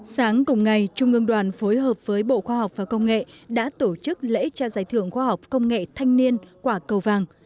sáng cùng ngày trung ương đoàn phối hợp với bộ khoa học và công nghệ đã tổ chức lễ trao giải thưởng khoa học công nghệ thanh niên quả cầu vàng